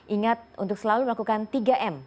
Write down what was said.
ingat untuk selalu melakukan tiga m